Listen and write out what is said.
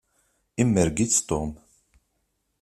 Imerreg-itt Tom.